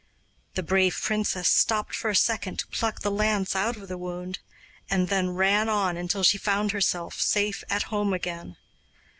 The brave princess stooped for a second to pluck the lance out of the wound, and then ran on until she found herself safe at home again.